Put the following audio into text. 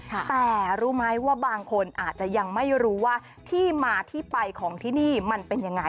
แต่รู้ไหมว่าบางคนอาจจะยังไม่รู้ว่าที่มาที่ไปของที่นี่มันเป็นยังไง